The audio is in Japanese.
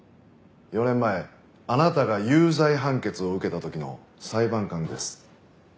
４年前あなたが有罪判決を受けた時の裁判官です。